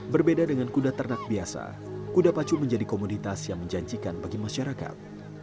berbeda dengan kuda ternak biasa kuda pacu menjadi komoditas yang menjanjikan bagi masyarakat